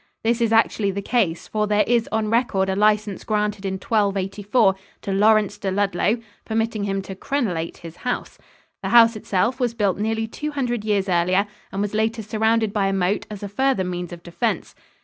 This is actually the case, for there is on record a license granted in 1284 to Lawrence de Ludlow permitting him to "crenolate his house." The house itself was built nearly two hundred years earlier and was later surrounded by a moat as a further means of defense.